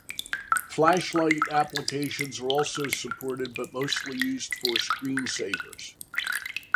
Flash Lite applications are also supported, but mostly used for screensavers.